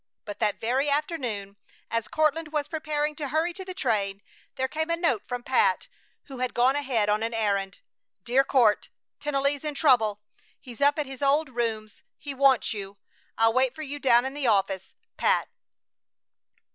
But that very afternoon, as Courtland was preparing to hurry to the train, there came a note from Pat, who had gone ahead, on an errand: DEAR COURT, Tennelly's in trouble. He's up at his old rooms. He wants you. I'll wait for you down in the office. PAT.